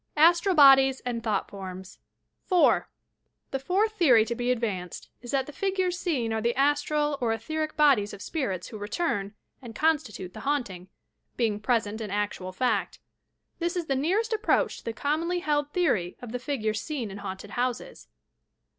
ASTEAL BODIES AND THOUGHT POHMS 4. The fourth theory to be advanced is that the figures Been are the a stral or etheric bodies of spirits who return and constitute the haunting, — being present in actual fact. This is the nearest approach to the commonly held theory of the figures seen in haunted houses.